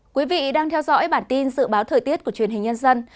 quý vị đang theo dõi bản tin dự báo thời tiết của truyền hình nhân dân